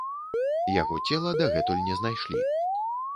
Яго цела дагэтуль не знайшлі.